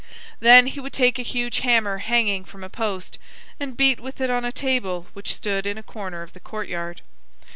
Then he would take a huge hammer hanging from a post, and beat with it on a table which stood in a corner of the courtyard.